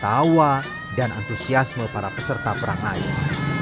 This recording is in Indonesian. tawa dan antusiasme para peserta perang air